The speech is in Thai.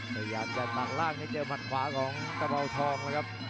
พยายามจัดหลังล่างให้เจอผ่านขวาของกระบ่าวทองนะครับ